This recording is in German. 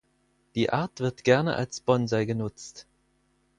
Die Art wird gerne als Bonsai genutzt.